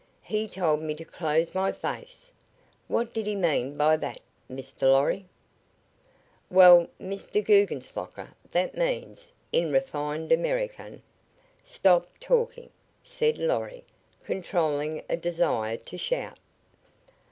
He told me to close my face. What did he mean by that, Mr. Lorry?" "Well, Mr. Guggenslocker, that means, in refined American, 'stop talking,'" said Lorry, controlling a desire to shout.